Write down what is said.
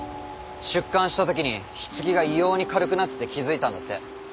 出棺したときに棺が異様に軽くなってて気付いたんだって。